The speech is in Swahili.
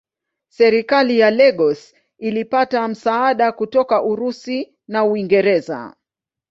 Serikali ya Lagos ilipata msaada kutoka Urusi na Uingereza.